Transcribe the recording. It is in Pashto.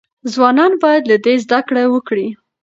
ځوانان باید له ده زده کړه وکړي.